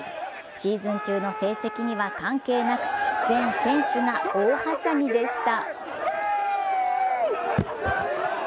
シーズン中の成績には関係なく全選手が大はしゃぎでした。